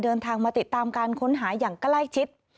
เดินทางมาติดตามการค้นหาอย่างใกล้ชิด